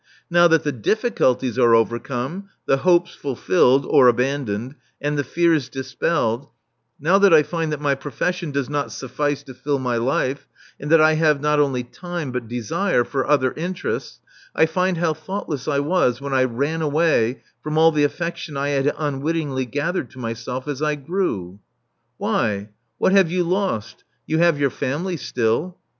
Now that the difficulties are overcome, the hopes fulfilled (or abandoned) and the fears dispelled — now that I find that my profession does not suffice to fill my life, and that I have not only time, but desire, for other interests, I find how thoughtless I was when I ran away from all the affection I had unwittingly gathered to myself as I grew." Why ? What have you lost? You have your family still."